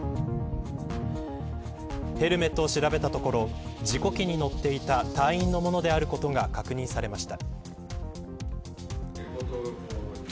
ヘルメットを調べたところ事故機に乗っていた隊員のものであることが確認されました。